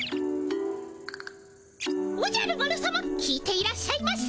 おじゃる丸さま聞いていらっしゃいましたか？